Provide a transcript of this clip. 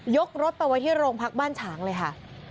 รถไปไว้ที่โรงพักบ้านฉางเลยค่ะ